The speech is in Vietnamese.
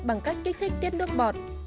và các kích thích tiết nước bọt